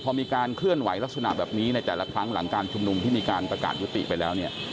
พอมีการเคลื่อนไหวลักษณะแบบนี้ในแต่ละครั้งหลังการชุมนุมที่มีการประกาศยุติไปแล้วเนี่ย